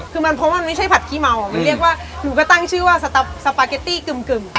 คือมันเพราะว่ามันไม่ใช่ผัดขี้เมาอ่ะมันเรียกว่าหนูก็ตั้งชื่อว่าสปาเกตตี้กึ่ม